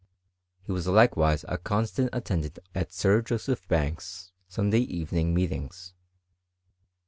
He was likewise a constant attendant at Sir Joseph Banks's Sunday evening meet ings.